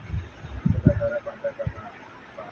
له یخنیه چي څوک نه وي لړزېدلي ..